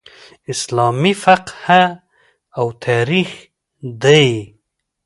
اسلامي فقه او تاریخ دئ.